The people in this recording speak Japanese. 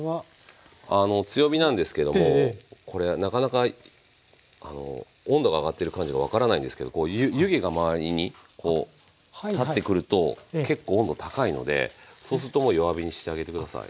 あの強火なんですけどもこれなかなか温度が上がってる感じが分からないんですけど湯気が周りにこう立ってくると結構温度高いのでそうするともう弱火にしてあげて下さい。